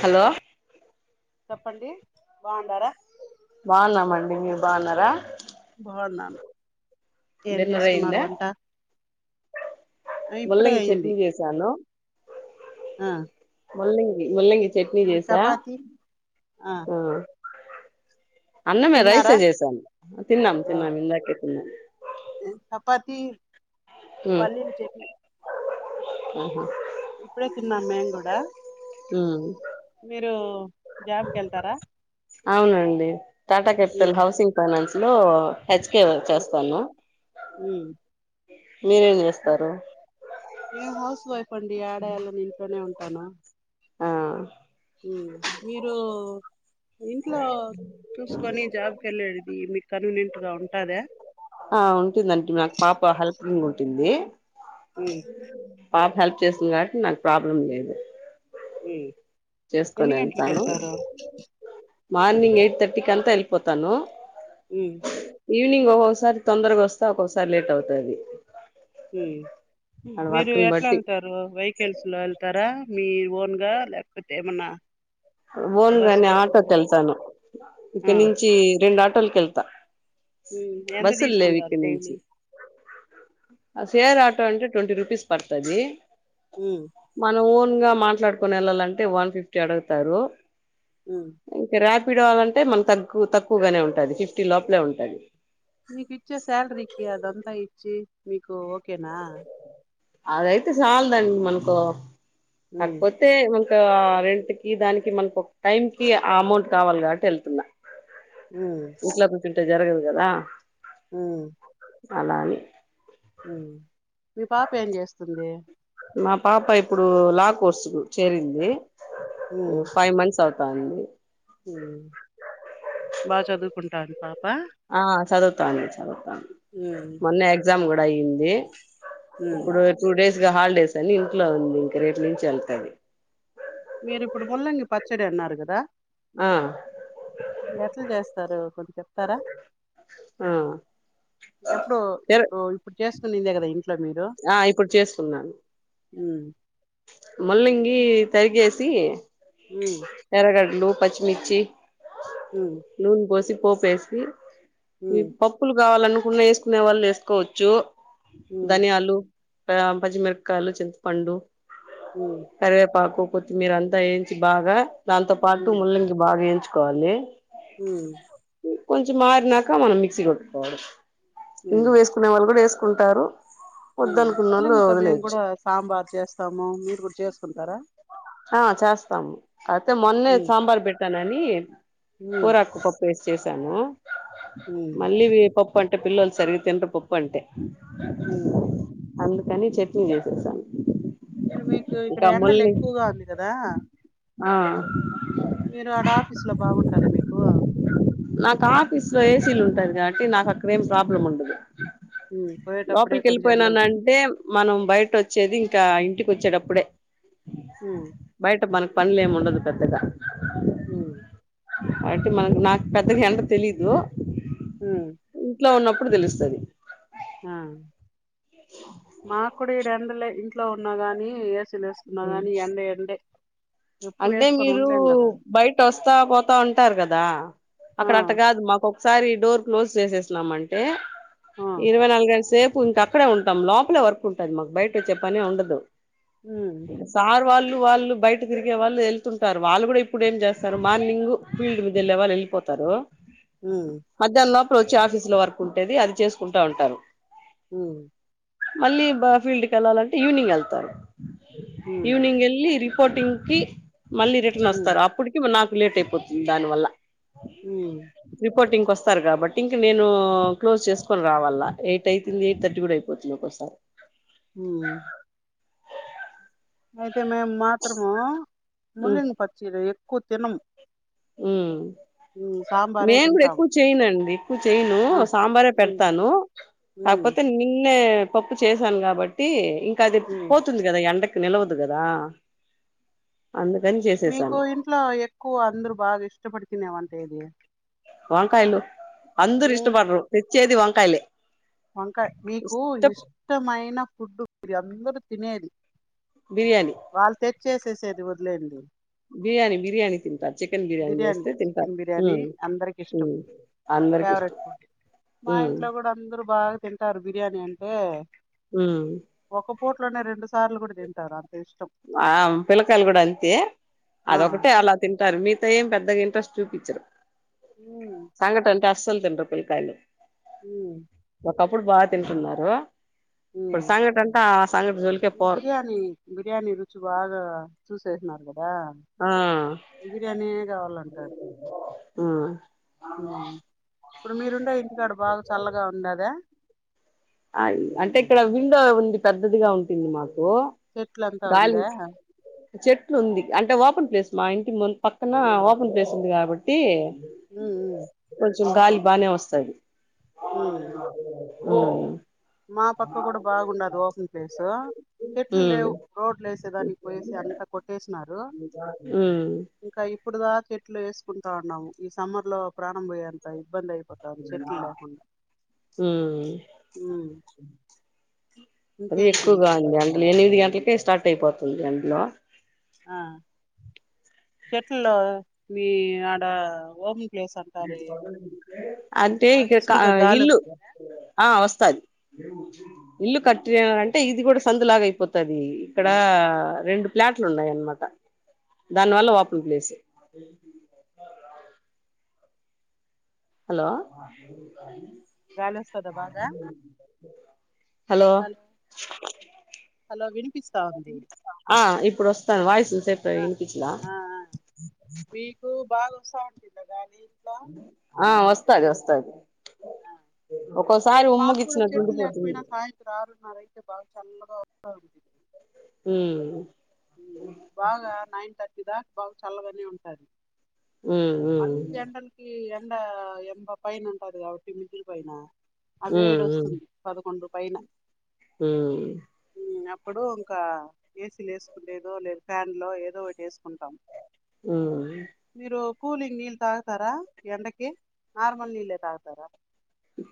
Hello చెప్పండి బాగుండారా బాగున్నామండి మీరు బాగున్నారా. బాగున్నాను. ఏం డిన్నర్ అయిందా చేసుకున్నారు వంటా. ముల్లంగి చట్నీ చేశాను. ఆ ముల్లంగి ముల్లంగి చట్నీ నేను చేశా చపాతి ఆ అన్నమే రైసే తిన్నారా చేసాను. తిన్నాం తిన్నాం ఇందాకే తిన్నాం. చపాతీ, ఉమ్ పల్లీలు చెట్ని. ఆహా ఇప్పుడే తిన్నాం మేము గూడా. ఉమ్ మీరూ జాబ్కెళ్తారా. అవునండి టాటా క్యాపిటల్ హౌసింగ్ ఫైనాన్స్ లో హెచ్కే వర్క్ చేస్తాను. ఉమ్ మీరేం చేస్తారు నేను హౌస్ వైఫ్ అండి యడయాళ్ళను ఇంట్లోనే ఉంటాను ఆ మీరు ఇంట్లో చూసుకొని జాబ్ కి ఎల్లండి మీకు కన్వీనెట్ గా ఉంటాదా ఆ ఉంటుందంటున్న నాక్ పాప హెల్పింగ్ ఉంటుంది మ్ పాప హెల్ప్ చేస్తుంది కాబట్టి నాకు ప్రాబ్లం లేదు. ఉ చేసుకొని ఎన్ని వెళ్తాను గంటలకివెళ్తారు మార్నింగ్ ఎయిట్ తాటికాంత ఏళ్లిపోతాను ఉ ఈవినింగ్ ఒక్కొక్కసారి తొందరగా వస్తా ఒక్కొక్కసారి లేట్ అవుతాది ఉ మీరు ఎట్లా బట్టి వెళ్తారు వెకిల్స్ లో వెళ్తారా మీరు వోన్గా లేకపోతే ఏమన్నా బస్ వోన్గానే గిస్ ఉందా ఆటోకెళ్తాను ఆ ఇక్కనుచ్చి రెండు ఆటోలుకెళ్తా ఉమ్ ఎంత బస్సులు లేవ్ తీసుకుంటారు ఇక్కనుచ్చి డైలీ నుంచి షేర్ ఆటో అంటే ట్వంటీ రూపీస్ పడుతాది ఉమ్ మనవో న్గా మాట్లాడుకుని వెళ్ళాలంటే వన్ఫిఫ్టీ అడుగుతారు ఉ పిడావంటే మనం తక్కు తక్కువగానే ఉంటుంది ఫిఫ్టీ లోపలే ఉంటాది మీకు ఇచ్చే శాలరీకి అదంతా ఇచ్చి మీకు ఓకేనా అదయితే చాలదండి మనకో ఉమ్ కాకపోతే మన ఒక రెంట్ కి దానికి మనకు ఒక టైం కి అమౌంట్ కావాలి కాబట్టి వెళ్తున్న ఉ తుంటే జరగదు కాదా ఉ అలాని మీ పాప ఏం చేస్తుంది మా పాప ఇప్పుడు లా కోర్సు కు చేరింది ఉమ్ ఫై మంత్స్ అవుతుంది. కాంది ఉమ్ బాగా చదువుకుంటాంది పాప ఆ చదువుతా అండి చదువ్ ఉమ్ మొన్నే ఎగ్జామ్ కూడా అయింది ఉమ్ ఇప్పుడు టూ డేస్ గా హాలిడేస్ అని ఇంట్లో ఉంది ఇంకా రేప నుంచి వెళ్తాది మీరు ఇప్పుడు ముల్లంగి పచ్చడి అన్నారు కాదా ఆ ఎట్లా చేస్తారు కొంది గా చెప్తారా ఆ ఎప్పుడు ఎర్ ఇప్పుడు ఇప్పుడు చేసుకొని కాదా ఇంట్లో మీరు ఆ ఇప్పుడు చేసుకున్నాను ఉ ముల్లంగి తరిగేసి ఉమ్ ఎర్రగాడ్లు పచ్చిమిర్చి నూన్ పోసి పోప్ ఏసీ ఈ పప్పులు కావాలనుకున్న వేసుకునే వాళ్ళు వేసుకోవచ్చు ధనియాలు ఆ పచ్చిమిరకాయలు చింతపండు కరివేపాకు కొత్తిమీరంతా వేయించి బాగా దాంతో పాటు ముల్లంగి బాగా ఎయించుకోవాలి ఉ కొంచెం మారినాక మనం మిక్సీ కొట్టుకోవాలి ఇంగువా వేసుకునే వాళ్ళు కూడా వేసుకుంటారు ఉ వద్దనుకున్నోళ్ళు [unintelligible] మేము వదిలేయచ్చు కూడా సాంబార్ చేస్తాము మీరు కూడా చేసుకుంటారా. ఆ చేస్తాము అయితే మొన్నే ఉమ్, సాంబార్ పెట్టానని ఉమ్, కూరకు పప్పు వేసిచేసాను ఉమ్, మళ్ళీ వి పప్పు అంట్ టే పిల్లలు సరిగి తినారు పప్పు అంటే ఉమ్. అందుకని చట్నీ చేసేసాను మీకు ఇక్కడ ఇంకా ఎండలు ముల్లి ఎక్కువగా ఉంది కదా ఆ మీరు ఆడ ఆఫీస్ లో బాగుంటదా మీకు నాకు ఆఫీస్ లో ఏసీలు ఉంటాయిగా కే నాకు అక్కడేం ప్రాబ్లం ఉండదు ఉమ్, పోయేటప్పుడే లోపలికి కొంచెం ఎండలు వెళ్ళిపోయినానంటే మనం బయట వచ్చేది ఇంకా ఇంటికి వచ్చేటప్పుడే ఉమ్, బయట మనకు పనులు ఏమి ఉండదు పెద్దగా అమ్ కాబట్టి మనకు నాకు పెద్దగా ఎంత తెలీదు ఉమ్, ఇంట్లో ఉన్నప్పుడు ఇప్పుడు తెలుస్తది ఆ మా కుడు ఈ ఎండలే ఇంట్లో ఉన్నా గాని ఎసిలు ఎస్తుకున్నా కాని ఎండ ఎండే ఎప్పుడు అంటే వేసుకొని మీరు ఉండలేం కదా బయట వస్తా పోతా ఉంటారు కదా ఆ అక్కడ అట్ట కాదు మాకు ఒకసారి ఈ డోర్ క్లోజ్ చేసేసినమ అంటే ఆ ఇరవై నాలుగేళ్ల సేపు ఇంక అక్కడే ఉంటాం లోపలే వర్క్ ఉంటుంది మాకు బయట వచ్చే పనే ఉండదు ఉమ్, సార్ వాళ్ళు వాళ్ళు బయట తిరిగే వాళ్ళు వెళ్తుంటారు వాళ్ళు కూడా ఇప్పుడు ఏం చేస్తారు మార్నింగ్ ఫీల్డ్ మీద వెళ్లే వాళ్ళు వెళ్ళిపోతారు ఉమ్, ఉమ్, మధ్యాహ్నం లోపల వచ్చి ఆఫీసు లో వర్క్ ఉంటేది అది చేసుకుంటా ఉంటారు ఉమ్ మళ్ళీ బా ఫీల్డ్ కి వెళ్ళాలంటే ఈవినింగ్ వెళ్తారు ఉమ్, ఈవినింగ్ వెళ్ళి రిపోర్టింగ్ కి మళ్ళీ రిటర్న్ ఉమ్. వస్తారు అప్పటికి నాకు లేట్ అయిపోతుంది దాని వల్ల ఉమ్ రిపోర్టింగ్ కోస్తా స్తార్ కాబట్టి ఇంక నేను క్లోజ్ చేసుకొని రావాలా ఎయిట్ అయితుంది ఎయిట్ థర్టీ కూడా అయిపోతుంది ఒక్కోసారి ఉమ్ అయితే మేము మాత్రము ముల్లింగ పచ్చిలు ఎక్కువ తినము ఉమ్ ఉమ్, సాంబారే నేను కూడా తింటాము ఎక్కువ చేయనండి ఎక్కువ చేయను ఆ సాంబారే ఉమ్ పెడతాను ఉమ్ కాకపోతే నిన్నే పప్పు చేశాను కాబట్టి ఇంకా అది ఉమ్ పోతుంది కదా ఎండ కి నిలవదు కదా అందుకని మీకు చేసేసాను ఇంట్లో ఎక్కువ అందరూ బాగా ఇష్టపడు తినేవంట ఏది వంకాయలు అందరు ఉమ్, ఇష్టపడరు తెచ్చేది వంకాయలే వంకాయ మీకు ఇష్ట ఇష్టమైన ఫుడ్డు మీరు అందరూ తినేది బిర్యానీ చేసేసేది వదిలేయండి బిర్యానీ బిర్యానీ తింటారు చికెన్ బిర్యానీ చేస్తే తింటారు చికెన్ బిర్యానీ అందరికి ఇష్టం అందరికి ఇష్టం మా ఉమ్ ఇంట్లో కూడా అందరూ బాగా తింటారు బిర్యానీ అంటే ఉమ్ ఒక కోట్ లోనే రెండు సార్లు కూడా తింటారు అంత ఇష్టం ఆ పిల్లకాయలు కూడా అంతే ఆ అదొకటే అలా తింటారు మీతో ఏం పెద్దగా ఏం ఇంట్రెస్ట్ చూపించరు ఉమ్ సంగటి అంటే అస్సలు తినరు పిల్లకాయలు అమ్ ఒకప్పుడు బాగా తింటున్నారు ఇప్పుడు ఉమ్ సంగటి అంటే ఆ సంగటి జోలికే పోరు బిర్యానీ బిర్యానీ రుచి బాగా చూసేసిన్నారు గా ఆ బిర్యానే కావాలంటారు ఉమ్ ఉమ్ ఇప్పుడు మీరుండే ఇంటికాడ బాగా చల్లగా ఉండదా ఆ అంటే ఇక్కడ విండో ఉంది పెద్దదిగా ఉంటుంది మాకు ఓ చెట్లంతా గాలి ఉందా చెట్లు ఉంది అంటే ఓపెన్ ప్లేస్ మా ఇంటి పక్కన ఓపెన్ ప్లేస్ ఉంది కాబట్టి ఉమ్ ఉమ్ కొంచెం గాలి బాగానే వస్తది అమ్ ఓవ్ మా పక్క కూడా బాగుండది ఓపెన్ ప్లేసు చెట్లు ఉమ్ లేవు రోడ్లు ఏసే దానికి పోయేసి అంతా కొట్టేసినారు. హుహ్ ఇంకా ఇప్పుడుదా ఏట్లో ఏసుకుంటా ఉన్నాము. ఈ సమ్మర్ లో ప్రాణం బోయేంత ఇబ్బంది అయిప్ హుహ్ ఉమ్ అది ఇంకేంటి ఎక్కువగా ఉంది. అందులో ఎనిమిది గంటలకేస్ స్టార్ట్ అయిపోతుంది. అందులో ఆ చెట్ల్లో మీ ఆడ ఓబి అంటే బాగా ఇకగా ఇసురుగా గాలి ఇల్లు వస్తదా ఆ వస్తాది. ఇల్లు కట్టినారంటే ఇది కూడా సందు లాగ అయిపోతది. ఇక్కడ రెండు ప్లా అట్లు ఉన్నాయమానమాట, దాని వల్ల ఓపెన్ ప్లేసే హలో గాలి వస్తదా బాగా హలో హాలో వినిపిస్తా ఉంది. ఆ ఇప్పుడు వస్తాన్ వాయిసు సెప్టాయి ఆ ఇనపిచ్చిదా ఆ ఆ సౌండ్ చిన్నా గానీ ఆ వస్తాది వస్తాది. ఒక్కోసారి ఇడా మాకూడా ఉమ్మగిచ్చినట్టు చెట్లు ఉండిపోతుంది లేకపోయినా సాయంత్రం అరున్నారా అయితే బాగా చల్లగా వస్తోంది. ఉహ్ బాగా నైన్ థర్టీ దాకా బాగా చల్లగానే ఉంటది. ఉమ్ ఉమ్ అల్ల్ ఎండలకి ఎల్ ఎండ ఏంబ పైన ఉంటది. కాబట్టి మిదిరి పైన అవి ఉమ్ ఏడు వస్తుంది పదకొండు పైన హుహ్ అప్పుడు ఇంకా ఏసీలు ఏసుకుంటేదో లేదా ఫ్యాన్ లో ఏదో ఒకటి ఏసుకుంటాం. ఉహుహ్ కూలింగ్ నీల్ తాగుతారా, ఎండకి నార్మల్ నీళ్ళే తాగుతారా.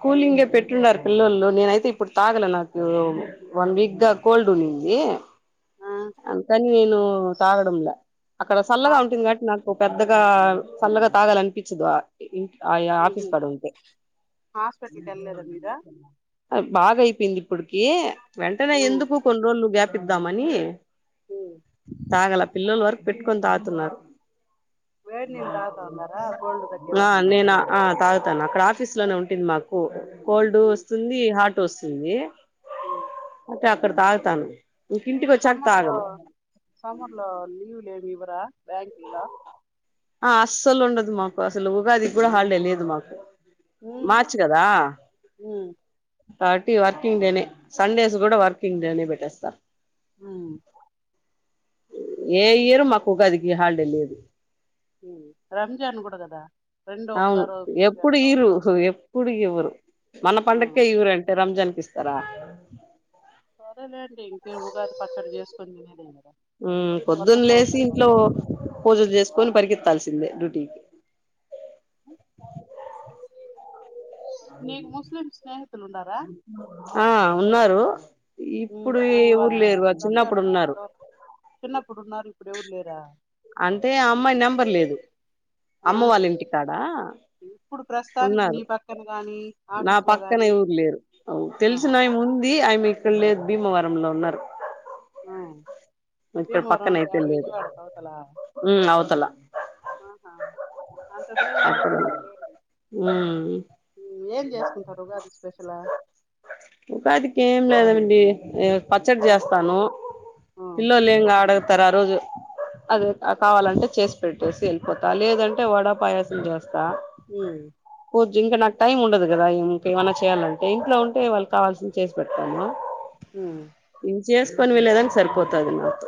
కూలింగే పెట్టున్నారు, పిల్లలు నేనైతే ఇప్పుడు తాగల నాకు వన్ వీగ్దా కోల్డ్ ఏందే ఆ హిళ్ళు తాగడం లే అక్కడ సల్లగా ఉంటుంది. హాస్పిటల్ గావట్ నాకు పెద్దగ్ గా సల్లగా తాగాలనిపించదు. ఆ ఇంట్ ఆ ఆఫీస్ మ్మ్ కాడ ఉంటే హాస్పిటల్కి ఏళ్ళలేదా మీరో అప్ బాగా అయిపోయింది. ఇప్పటికి వెంటనే మ్మ్ ఎందుకు కొన్ని రోజులు గ్యాప్ పిద్దామని మ్మ్ తాగలే పిల్లల వరకు పెట్టుకొని తాతున్నారు. వేడి నీళ్ళు తాగుతా ఉన్నారా కోల్డ్ ఆ తగ్గేదానికి నేను ఆ తాగుతాను. అక్కడ ఆఫీస్ లోనే ఉం టిన్ మాకు కోల్డ్ వస్తుంది, హాట్ వసుంది. ఉహ్ తే అక్కడ తాగుతాను ఇంక్ ఇంటి కొచ్చాక్ సమ్మర్ లో సమ్మర్ లో లీవ్ లేమి ఇవరా బ్యాంకులో. ఆ అస్సలు ఉండదు. మాకు అసలు ఉగాది కూడా హాల్ డే లేదు మాకు మ్మ్ మార్చ్ గదా మ్మ్ థర్టీ వర్కింగ్ డేనే. సండేస్ కూడా వర్కింగ్ డేనే బెట్టేస్తా. హుహ్ ఏ ఇయరు మాకు ఉగాదికి హల్డే లేదు. ఉహ్ రంజాన్ కూడా కదా. రెండు అవును ఒకసారి ముందు ఎప్పుడు వెనక ఈరు, వస్తారు ఎప్పుడు ఇవరు. మన పండకే ఇవరుంటే రంజాన్ ఇస్తారా. సరేలేండి. ఇంకే ఉగాది పచ్చడి జేసుకొని దినేదేమో ఉ పొద్దున్న లేసి ఇంట్లో పూజలు జేసుకొని పరిగేత్తాల్స్ ఎల్ల డ్యూటీ కి నీకు ముస్లిం స్నేహితులు ఉండారా ఆ ఉన్నారు ఉమ్ ఇప్పుడు మరి ఎవరు వాళ్ళు లేరు రంజాన్ చిన్నప్పుడు కి ఉన్నారు పిలువ చిన్నప్పుడు ఉన్నారు ఇప్పుడు ఎవరు లేరా అంటే అమ్మాయి నెంబర్ లేదు ఆ అమ్మ వాళ్ళ ఇంటికాడా ఇప్పుడు ప్రస్తుతానికి నీ పక్కన గానీ నా పక్కన ఎవరు లేరు ఆ తెలిసిన ఆయామి ఉంది ఆయమి ఇక్కడ లేరు భీమవరంలో ఉన్నరు. ఆ ఇక్కడ భీమవరం పక్కన అంటే అయితే ఆడ లేదు విజయవాడ అవతల ఉ అవుతల ఆహా అంత దూరం యాడ పోతారులేండి ఉమ్ ఉమ్ ఏం చేసుకుంటారు ఉగాది స్పెషలా ఉగాదికి ఏం లేదండి ఎ పచ్చడి ఆ చేస్తాను ఉమ్ పిల్లోలు ఇంగా ఆడ వస్తారు ఆ రోజు అదే కావాలంటే చేసి పెట్టేసి వెళ్ళిపోతా లేదంటే వడా పాయసం చేస్ తా పూజ ఇంకా నాకు టైం ఉండదు కదా ఇంకేమన్నా చేయాలంటే ఇంట్లో ఉంటే వాళ్ళకి కావాల్సింది చేసి పెడతాను ఉమ్ చెసుకొని వెల్లేదానికి సరిపోతాది నాకు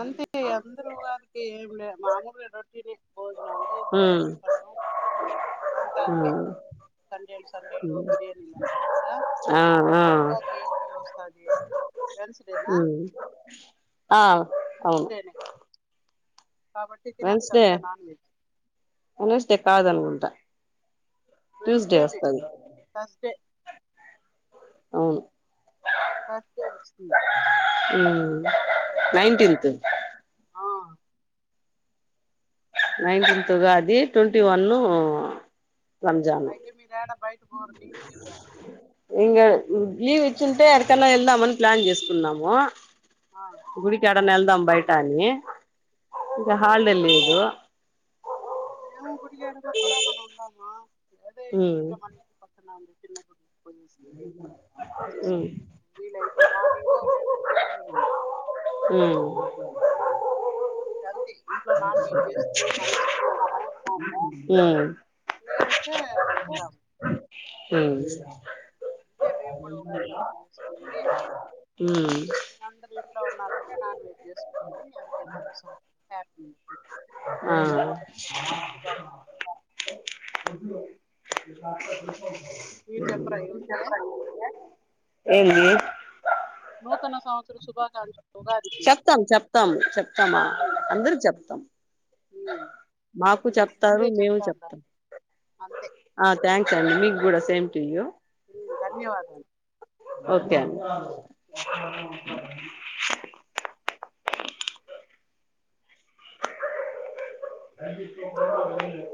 అంతే అందరు ఉగాదికి ఏం లే మామూలుగా రొటీనే భోజనాలు ఓ టిఫను అంతా అంతే ఆ సండేలు సండేలు బిర్యానీలు అంటారు కదా ఆ ఆ అ ఉగాది ఏ డే వస్తాది ఉమ్ ఆ అవును వెన్స్డేనే కాబట్టి తినొచ్చు వెన్స్డే అంతా నాన్ వెజ్ వెన్స్ డే కాదనుకుంట ట్యూస్డే వెన్స్డేనే వస్తది థర్స్డే అవును తర్స్డే వచ్చింది ఉమ్ నైన్టీన్త్ ఆ నైన్టీన్త్ ఉగాది ట్వంటీ వనూ అయితే మీరాడ బయ ఇంగాడ లీ లీవ్ ఇచ్చింటే యాడికన్న వెళ్దామని ప్లాన్ చేసుకున్నాము ఆ గుడికి యాడన్న ఎల్ దాం బయటని ఇంకా హాలిడే లేదు మేము గుడికి యాడన్న పోదాం అని ఉందమ్మ అదే ఇడూన్న మన ఇంటి పక్కన్నా ఉంది ఏ వచ్చేసెరు వీలైతే మార్నింగో లేదంటే ఈవినింగ్ ఉమ్ చికన్ పోము ఉమ్ లేదంటే ఎల్తాం ఉమ్ అంతే మేము కూడా ఉగాది పచ్చడి చేసుకునేది ఇగ ఉమ్ అందరు ఇం ఇంట్లో ఉన్నారంటే నాన్ వెజ్ చేసుకునేది అంతే కొత్త సంవత్సరం హ్యాపీ ఆ నూతన సంవత్సర శుభాకాంక్షలు మీరు చెప్పరా ఏ ఊరికే ఏంది నూతన సంవత్సర శుభాకాంక్ష చెప్తాం చెప్తాం చెప్తామా అందరికి చెప్తాం మాకు అయితే నీకు చెప్తారు ముందే మేము చెప్తా ఉండాలి చెప్తాం అంతే ఆ థ్యాంక్స్ అండి మీకు కూడా సే సేమ్ టు యూ ఉమ్ ధన్యవాదం ఓకే అండి అ